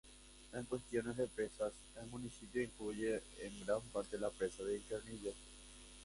En cuestiones de presas el municipio incluye en gran parte la presa de Infiernillo.